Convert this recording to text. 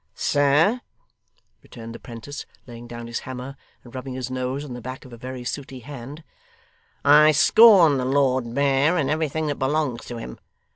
'Sir,' returned the 'prentice, laying down his hammer, and rubbing his nose on the back of a very sooty hand, 'I scorn the Lord Mayor and everything that belongs to him.